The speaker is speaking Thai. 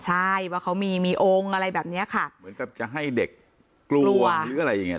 ใช่ว่าเขามีมีองค์อะไรแบบเนี้ยค่ะเหมือนกับจะให้เด็กกลัวหรืออะไรอย่างเงี้